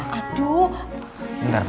tunggu tunggu mbak kim